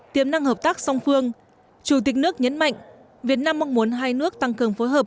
tiềm năng hợp tác song phương chủ tịch nước nhấn mạnh việt nam mong muốn hai nước tăng cường phối hợp